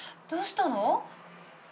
どうしたの？